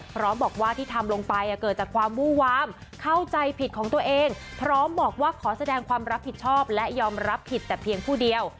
พร้อมบอกว่าที่ทำลงไปเกิดจากความวู้วามเข้าใจผิดของตัวเองพร้อมบอกว่าขอแสดงความรับผิดชอบและยอมรับผิดแต่เพียงผู้เดียว